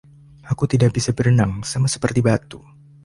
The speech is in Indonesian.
Aku tidak bisa berenang, sama seperti batu.